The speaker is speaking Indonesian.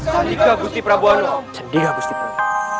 sendika gusti prabu anom